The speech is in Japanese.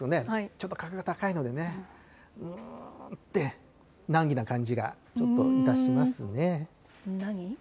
ちょっと価格が高いのでね、うーんって、難儀な感じがちょっとい何？